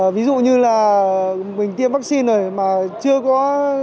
ví dụ như là mình tiêm vaccine này mà chưa có